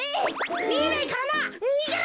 みえないからな。にげろ！